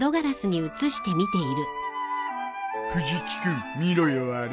藤木君見ろよあれ。